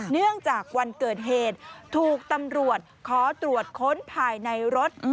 เนื่องจากวันเกิดเหตุถูกตำรวจขอตรวจค้นภายในรถ